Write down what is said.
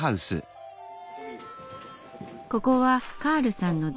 ここはカールさんの事務所。